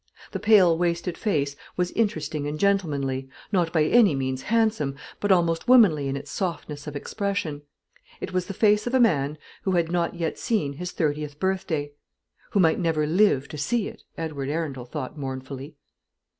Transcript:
The pale wasted face was interesting and gentlemanly, not by any means handsome, but almost womanly in its softness of expression. It was the face of a man who had not yet seen his thirtieth birthday; who might never live to see it, Edward Arundel thought mournfully.